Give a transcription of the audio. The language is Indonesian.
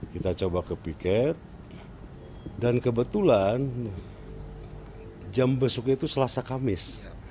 kita coba ke piket dan kebetulan jam besuknya itu selasa kamis